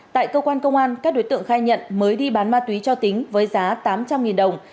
tại cơ quan công an các đối tượng khai nhận mới đi bán ma túy cho tính với giá tám trăm linh đồng